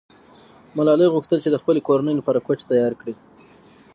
ګلالۍ غوښتل چې د خپلې کورنۍ لپاره کوچ تیار کړي.